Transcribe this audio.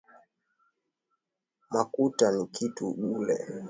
Makuta ni kitu bule